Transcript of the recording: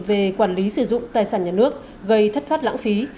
về quản lý sử dụng tài sản nhà nước gây thất thoát lãng phí